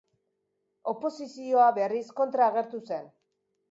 Oposizioa, berriz, kontra agertu zen.